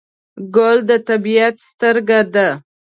ګل د طبیعت سترګه ده.